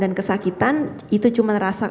dan kesakitan itu cuman rasa